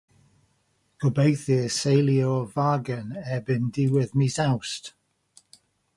Gobeithir selio'r fargen erbyn diwedd mis Awst.